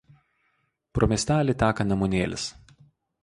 Pro miestelį teka Nemunėlis.